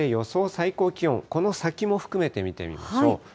最高気温、この先も含めて見てみましょう。